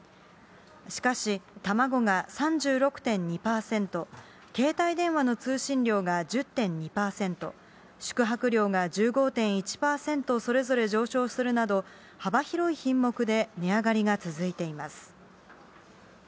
しかし、卵が３６．２％、携帯電話の通信料が１０．２％、宿泊料が１５．１％、それぞれ上昇するなど、幅広い品目で値上がりが続いています。